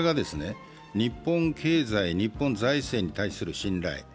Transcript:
その結果が日本経済、日本財政に対する信頼。